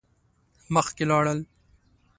مخکی لاړل.